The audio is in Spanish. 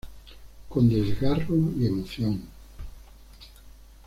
Con desgarro y emoción.